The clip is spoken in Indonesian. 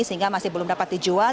sehingga masih belum dapat dijual